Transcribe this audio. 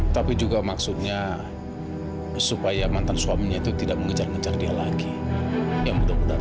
tapi juga maksudnya supaya mantan suaminya itu tidak mengejar ngejar dia lagi yang mudah mudahan